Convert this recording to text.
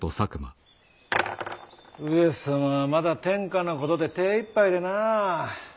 上様はまだ天下のことで手ぇいっぱいでなあ。